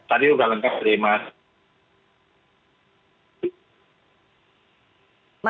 tadi sudah lengkap dari mas